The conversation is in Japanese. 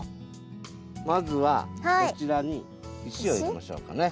まずはこちらに石を入れましょうかね。